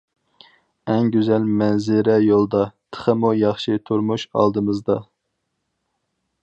ئەڭ گۈزەل مەنزىرە يولدا، تېخىمۇ ياخشى تۇرمۇش ئالدىمىزدا.